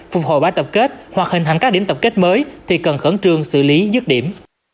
phục hồi bãi tập kết hoặc hình thành các điểm tập kết mới thì cần khẩn trương xử lý dứt điểm